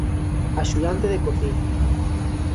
Axudante de cociña.